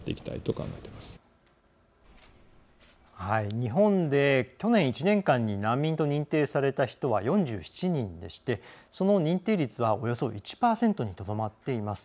日本で去年１年間に難民と認定された人は４７人でその認定率はおよそ１％にとどまっています。